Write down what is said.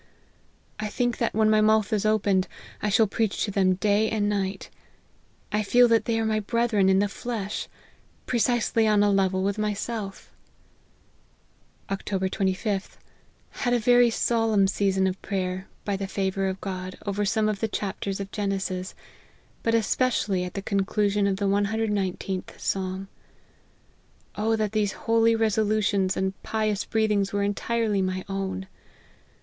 I think that when my mouth is opened, T shall preach to them day and night. I feel that they are my brethren in the flesh ; precisely on a level with myself." " Oct. 25th. Had a very solemn season of LIFE OF HENRY MARTYN. 79 prayer, by the favour of God, over some of the chapters of Genesis ; but especially at the conclu sion of the 119th Psalm. O that these holy reso lutions and pious breathings were entirely my own